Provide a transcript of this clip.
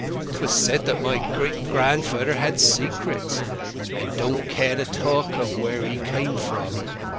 'Twas said that my gr't granfer had secrets, and didn't care to talk of where he came from....